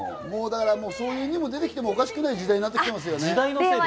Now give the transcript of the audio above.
そういう犬も出てきておかしくない時代になってますよね。